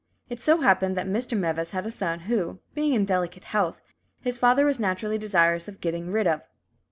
It so happened that Mr. Meves had a son who, being in delicate health, his father was naturally desirous of getting rid of.